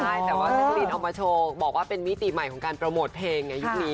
ได้แต่ว่าเจ็กเกอร์ลีนเอามาโชว์บอกว่าเป็นมิติใหม่ของการโปรโมทเพลงอย่างนี้